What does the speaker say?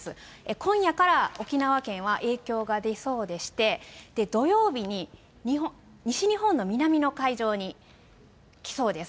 今夜から沖縄県は影響が出そうでして、土曜日に西日本の南の海上に来そうです。